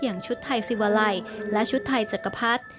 ชุดไทยสิวาลัยและชุดไทยจักรพรรดิ